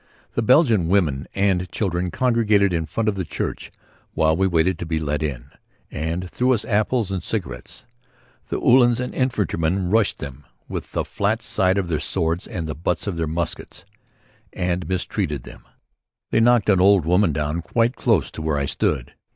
The Belgian women and children congregated in front of the church while we waited to be let in, and threw us apples and cigarettes. The uhlans and infantrymen rushed them with the flat side of their swords and the butts of their muskets; and mistreated them. They knocked one old woman down quite close to where I stood.